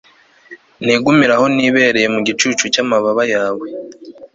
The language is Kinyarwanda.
nigumire aho nibereye mu gicucu cy'amababa yawe